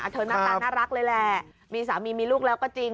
หน้าตาน่ารักเลยแหละมีสามีมีลูกแล้วก็จริง